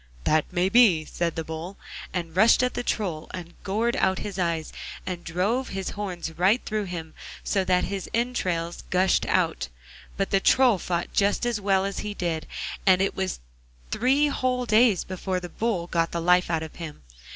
'That may be,' said the Bull, and rushed at the Troll, and gored out his eyes, and drove his horns right through him so that his entrails gushed out, but the Troll fought just as well as he did, and it was three whole days before the Bull got the life out of him.